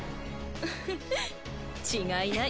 フフ違いない。